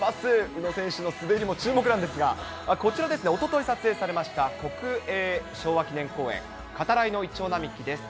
宇野選手の滑りも注目なんですが、こちらですね、おととい撮影されました、国営昭和記念公園、語らいのイチョウ並木です。